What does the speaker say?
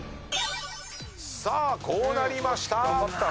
さあこうなりました！